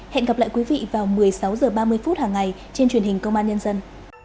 hẹn gặp lại quý vị vào một mươi sáu h ba mươi phút hàng ngày trên truyền hình công an nhân dân